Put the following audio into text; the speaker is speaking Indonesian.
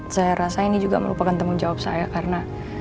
saya rasa ini juga melupakan temen jawab saya karena